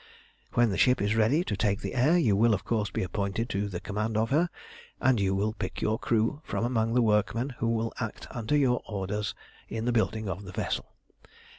When the ship is ready to take the air you will, of course, be appointed to the command of her, and you will pick your crew from among the workmen who will act under your orders in the building of the vessel.